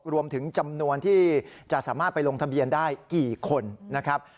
รวมถึงจำนวนที่จะสามารถไปลงทะเบียนได้กี่คนนะครับ